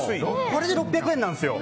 これで６００円なんですよ。